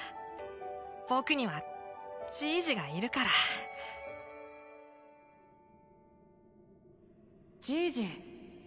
僕にはじいじがいるからじいじ